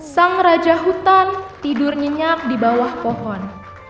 sang raja hutan tidur nyenyak di bawah pohon